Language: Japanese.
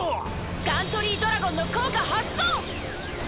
ガントリー・ドラゴンの効果発動！